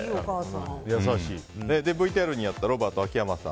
ＶＴＲにあったロバート、秋山さん